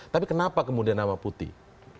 tapi kenapa kemudian nama putih